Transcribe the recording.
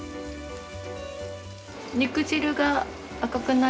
肉汁が赤くないのとか